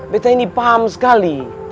betain di paham sekali